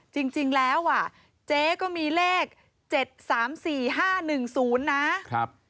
จริงแล้วอ่ะเจ๊ก็มีเลข๗๓๔๕๑๐นะครับ